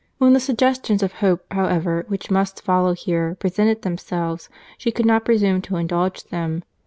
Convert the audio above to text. —When the suggestions of hope, however, which must follow here, presented themselves, she could not presume to indulge them.